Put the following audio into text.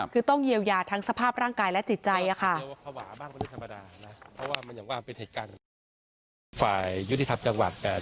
คือต้องเยียวยาทั้งสภาพร่างกายและจิตใจค่ะ